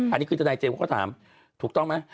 อันนี้คือทนายเจมส์เขาถามถูกต้องไหม